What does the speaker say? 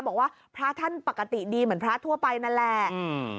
บอกว่าพระท่านปกติดีเหมือนพระทั่วไปนั่นแหละอืม